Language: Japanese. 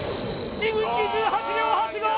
２分２８秒８５！